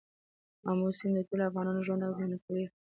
آمو سیند د ټولو افغانانو ژوند اغېزمن کوي.